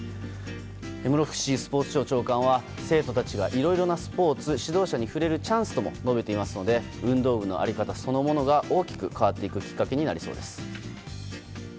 室伏スポーツ庁長官は生徒たちがいろいろなスポーツ指導者に触れるチャンスとも述べていますので運動部の在り方そのものが大きく変わっていくきっかけになりそうです。